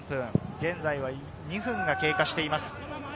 現在、２分を経過しています。